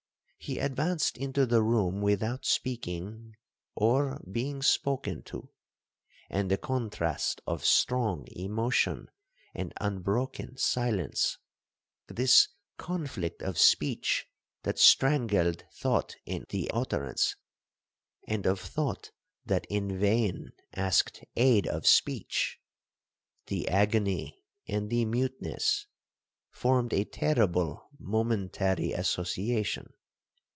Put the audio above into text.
He advanced into the room without speaking, or being spoken to. And the contrast of strong emotion and unbroken silence,—this conflict of speech that strangled thought in the utterance, and of thought that in vain asked aid of speech,—the agony and the muteness,—formed a terrible momentary association.